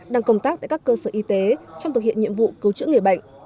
đang công tác tại các cơ sở y tế trong thực hiện nhiệm vụ cứu trữ nghề bệnh